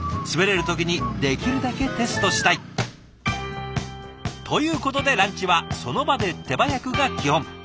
滑れる時にできるだけテストしたい。ということでランチはその場で手早くが基本。